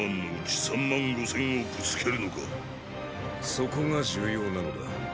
そこが重要なのだ。